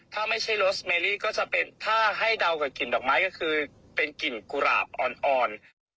ถ้าไม่ใช่รสเมรี่ก็จะเป็นถ้าให้เดากับกลิ่นดอกไม้ก็คือเป็นกลิ่นกุหลาบอ่อน